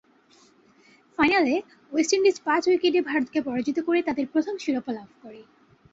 ফাইনালে, West Indies পাঁচ উইকেটে ভারতকে পরাজিত করে তাদের প্রথম শিরোপা লাভ করে।